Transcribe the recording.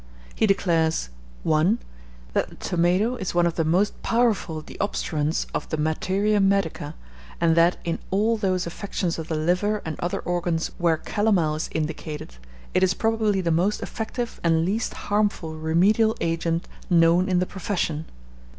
He declares: 1. That the tomato is one of the most powerful deobstruents of the materia medica; and that, in all those affections of the liver and other organs where calomel is indicated, it is probably the most effective and least harmful remedial agent known in the profession.